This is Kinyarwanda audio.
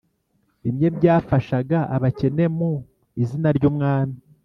bimwe byafashaga abakene mu izina ry umwami